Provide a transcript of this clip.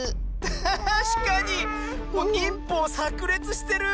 たしかに！にんぽうさくれつしてる！